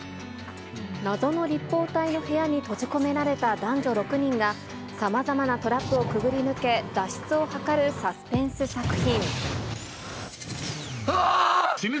謎の立方体の部屋に閉じ込められた男女６人が、さまざまなトラップをくぐり抜け、脱出を図るサスペンス作品。